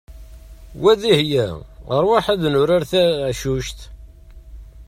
Wa Dihya ṛwaḥ ad nurar taɛcuct!